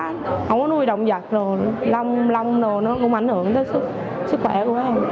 không có nuôi động vật lông nó cũng ảnh hưởng tới sức khỏe của em